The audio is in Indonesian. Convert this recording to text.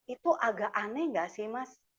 itu agak aneh nggak sih mas